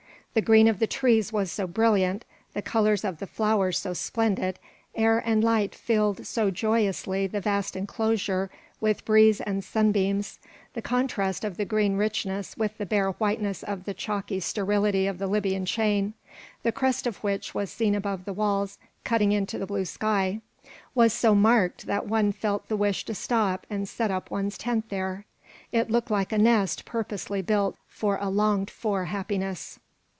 The green of the trees was so brilliant, the colours of the flowers so splendid, air and light filled so joyously the vast enclosure with breeze and sunbeams, the contrast of the rich greenness with the bare whiteness of the chalky sterility of the Libyan chain, the crest of which was seen above the walls cutting into the blue sky, was so marked that one felt the wish to stop and set up one's tent there. It looked like a nest purposely built for a longed for happiness.